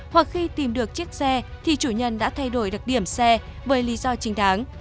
hoặc khi tìm được chiếc xe thì chủ nhân đã thay đổi được điểm xe với lý do chính đáng